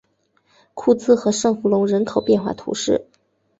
库兹和圣弗龙人口变化图示